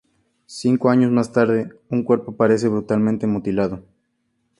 Cinco años más tarde, un cuerpo aparece brutalmente mutilado.